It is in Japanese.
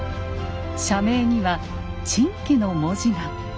社名には「珍奇」の文字が。